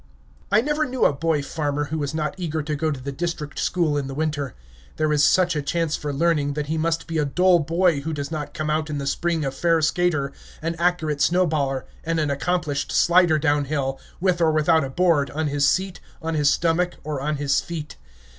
I never knew a boy farmer who was not eager to go to the district school in the winter. There is such a chance for learning, that he must be a dull boy who does not come out in the spring a fair skater, an accurate snow baller, and an accomplished slider down hill, with or without a board, on his seat, on his stomach, or on his feet.